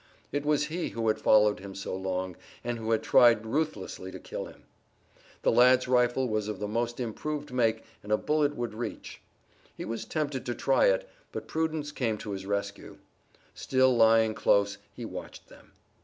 It was he who had followed him so long, and who had tried ruthlessly to kill him. The lad's rifle was of the most improved make and a bullet would reach. He was tempted to try it, but prudence came to his rescue. Still lying close he watched them.